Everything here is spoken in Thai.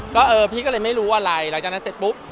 ก็เออพี่ก็เลยไม่รู้อะไรหลังจากนั้นเสร็จปุ๊บ